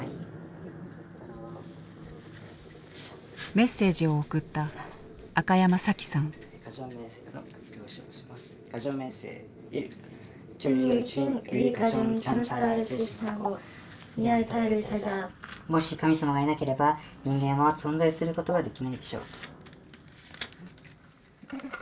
メッセージを送った「もし神様がいなければ人間は存在することはできないでしょう」。